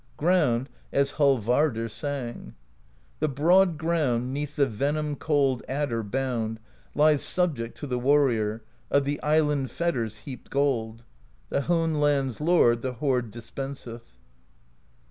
Ground, as Hallvardr sang: The broad Ground, 'neath the venom cold Adder Bound, lies subject to the Warrior Of the Island Fetter's heaped gold; The Hone Land's Lord the hoard dispenseth.